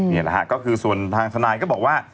นี่แหละฮะก็คือส่วนทางทนายก็บอกว่า